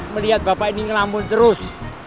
melihat bapak ini ngelamun terus